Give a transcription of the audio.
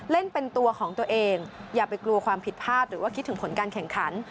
เล่นเป็นตัวของตัวเองอย่าไปกลัวความผิดพลาดหรือว่าคิดถึงผลการแข่งขัน